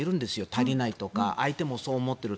足りないとか相手もそう思っている。